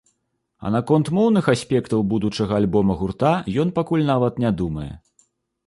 А наконт моўных аспектаў будучага альбома гурта ён пакуль нават не думае.